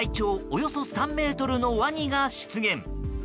およそ３ｍのワニが出現。